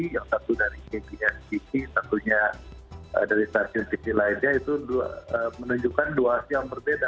yang satu dari intinya sisi tentunya dari stasiun sisi lainnya itu menunjukkan dua hasil yang berbeda